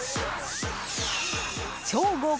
超豪華！